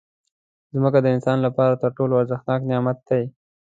مځکه د انسان لپاره تر ټولو ارزښتناک نعمت دی.